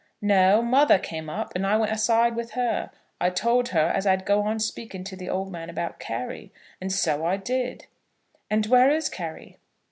"No; mother came up, and I went aside with her. I told her as I'd go on speaking to the old man about Carry; and so I did." "And where is Carry?"